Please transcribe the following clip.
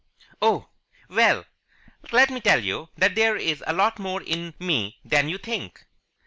"Oh! Well, let me tell you that there is a lot more in me than you think."